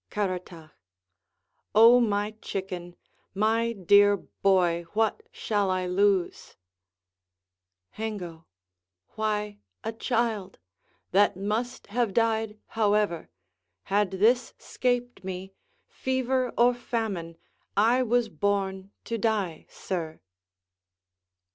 Caratach O my chicken, My dear boy, what shall I lose? Hengo Why, a child, That must have died however; had this 'scaped me, Fever or famine I was born to die, sir.